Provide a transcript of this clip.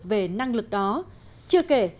về năng lực đó chưa kể